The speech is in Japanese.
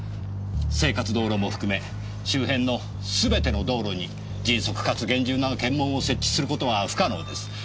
生活道路も含め周辺のすべての道路に迅速かつ厳重な検問を設置する事は不可能です。